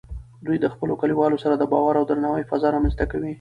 دوی د خپلو کلیوالو سره د باور او درناوي فضا رامینځته کوي.